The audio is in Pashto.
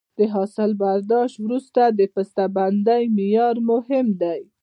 د حاصل برداشت وروسته د بسته بندۍ معیار مهم دی.